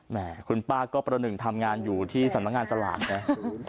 แหมคุณป้าก็ปรนึงทำงานอยู่ที่สนับงานสลากแน่อ่า